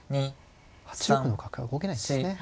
８六の角が動けないんですね。